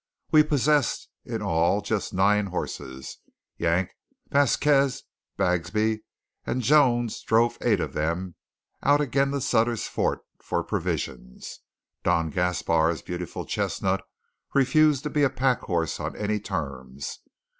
We possessed, in all, just nine horses. Yank, Vasquez, Bagsby, and Jones drove eight of them out again to Sutter's Fort for provisions Don Gaspar's beautiful chestnut refused to be a pack horse on any terms.